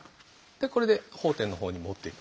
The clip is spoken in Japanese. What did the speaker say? でこれで崩点の方に持っていく。